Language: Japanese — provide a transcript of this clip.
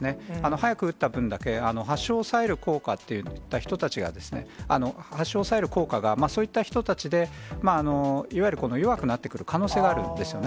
早く打った分だけ、発症を抑える効果ということが、発症を抑える効果が、そういった人たちでいわゆる弱くなってくる可能性があるんですよね。